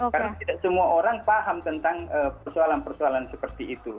karena tidak semua orang paham tentang persoalan persoalan seperti itu